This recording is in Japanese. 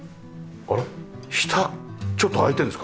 下ちょっと開いてるんですか？